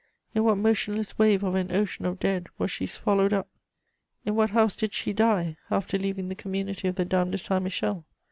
In what motionless wave of an ocean of dead was she swallowed up? In what house did she die, after leaving the community of the Dames de Saint Michel?